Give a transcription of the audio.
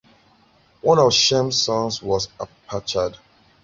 One of Shem's sons was Arpachshad.